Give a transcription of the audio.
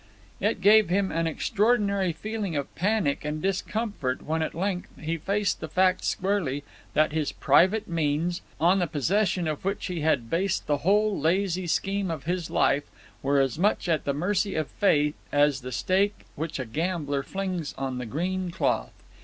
It gave him an extraordinary feeling of panic and discomfort when at length he faced the fact squarely that his private means, on the possession of which he had based the whole lazy scheme of his life, were as much at the mercy of fate as the stake which a gambler flings on the green cloth.